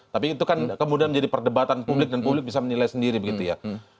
tapi itu kan kemudian menjadi perdebatan publik dan publik bisa menilai sendiri begitu ya